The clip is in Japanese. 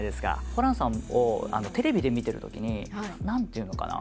ホランさんをテレビで見てるときに何ていうのかな